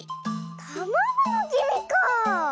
たまごのきみかあ。